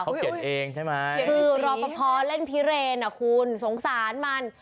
เขาเก็บเองใช่ไหมคือรอปภเล่นพิเรนอ่ะคุณสงสารมัน